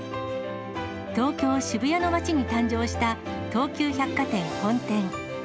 東京・渋谷の街に誕生した東急百貨店本店。